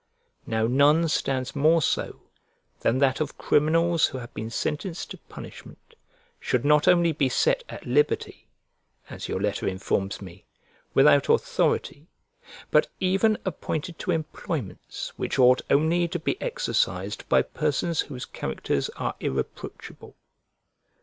Now none stands more so than that of criminals who have been sentenced to punishment should not only be set at liberty (as your letter informs me) without authority; but even appointed to employments which ought only to be exercised by persons whose characters are irreproachable.